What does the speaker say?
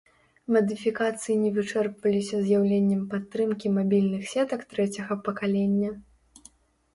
Мадыфікацыі не вычэрпваліся з'яўленнем падтрымкі мабільных сетак трэцяга пакалення.